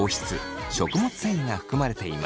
繊維が含まれています。